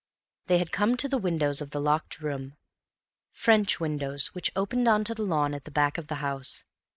They had come to the windows of the locked room, French windows which opened on to the lawns at the back of the house.